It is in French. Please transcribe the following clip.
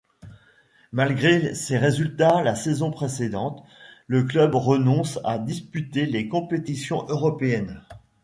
Malgré ses résultats la saison précédente, le club renonce à disputer les compétitions européennes.